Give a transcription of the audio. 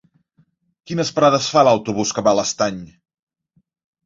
Quines parades fa l'autobús que va a l'Estany?